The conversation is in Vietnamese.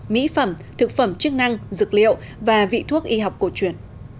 mỹ phẩm thực phẩm chức năng dược liệu và vị thuốc y học cổ truyền